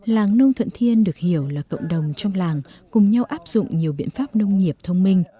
làng nông thuận thiên được hiểu là cộng đồng trong làng cùng nhau áp dụng nhiều biện pháp nông nghiệp thông minh